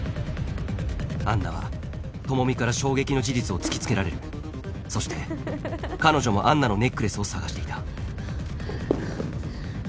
アンナは朋美から衝撃の事実を突き付けられるそして彼女もアンナのネックレスを探していたハァハァ。